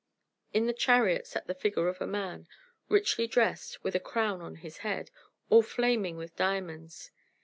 In the chariot sat the figure of a man, richly dressed, with a crown on his head, all flaming with diamonds.